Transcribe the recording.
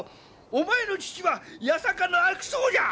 お前の父は八坂の悪僧じゃ！